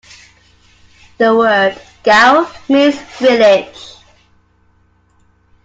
The word "gao" means 'village'.